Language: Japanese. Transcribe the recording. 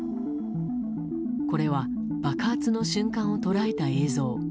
これは爆発の瞬間を捉えた映像。